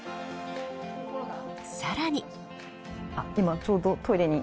さらに。